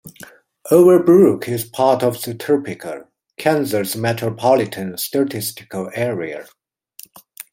Overbrook is part of the Topeka, Kansas Metropolitan Statistical Area.